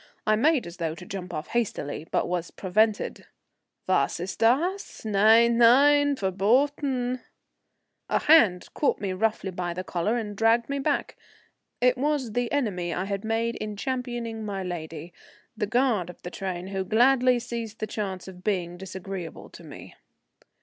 I made as though to jump off hastily, but was prevented. "Was ist das? Nein, nein, verboten." A hand caught me roughly by the collar and dragged me back. It was the enemy I had made in championing my lady, the guard of the train, who gladly seized the chance of being disagreeable to me.